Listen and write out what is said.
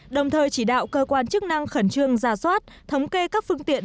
đồng thời chỉ đạo cơ quan chức năng khẩn trương ra soát thống kê các phương tiện